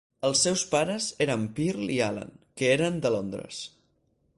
Els seus pares eren Pearl i Alan, que eren de Londres.